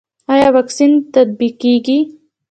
آیا واکسین تطبیقیږي؟